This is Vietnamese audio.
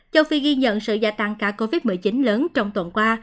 châu phi ghi nhận sự gia tăng ca covid một mươi chín lớn trong tuần qua